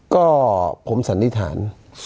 ก็ผมสันนิษฐาน